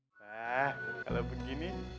nah kalau begini